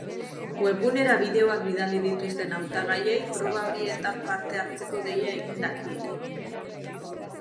Webgunera bideoak bidali dituzten hautagaiei proba horietan parte hartzeko deia egin dakieke.